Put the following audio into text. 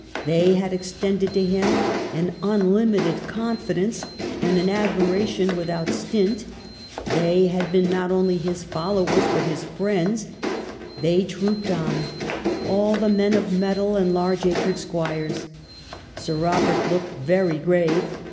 ... They had extended to him an unlimited confidence and an admiration without stint. ... They had been not only his followers but his friends. ... They trooped on ; all the men of metal and large acred squires. ... Sir Robert looked very grave.